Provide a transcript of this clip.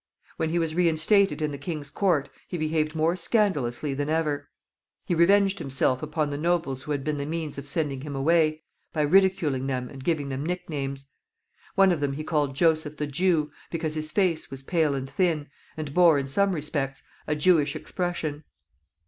When he was reinstated in the king's court he behaved more scandalously than ever. He revenged himself upon the nobles who had been the means of sending him away by ridiculing them and giving them nicknames. One of them he called Joseph the Jew, because his face was pale and thin, and bore, in some respects, a Jewish expression.